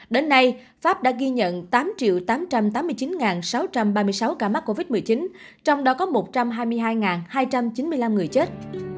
đến nay pháp đã ghi nhận tám tám trăm tám mươi chín sáu trăm ba mươi sáu ca mắc covid một mươi chín trong đó có một trăm hai mươi hai hai trăm chín mươi năm người chết